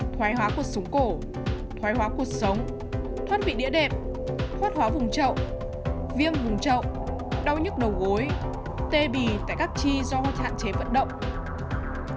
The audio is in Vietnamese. thoái hóa cuộc sống cổ thoái hóa cuộc sống thoát vị đĩa đẹp khoát hóa vùng trậu viêm vùng trậu đau nhức đầu gối tê bì tại các chi do hạn chế vận động